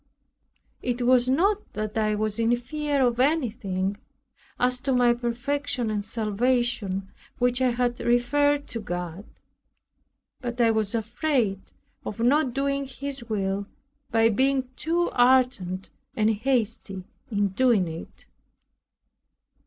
It was not that I was in fear of anything, as to my perfection and salvation which I had referred to God; but I was afraid of not doing His will by being too ardent and hasty in doing it.